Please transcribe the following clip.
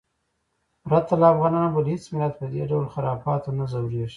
پرته له افغانانو بل هېڅ ملت په دې ډول خرافاتو نه ځورېږي.